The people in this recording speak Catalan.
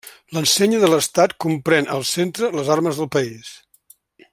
L'ensenya de l'estat comprèn al centre les armes del país.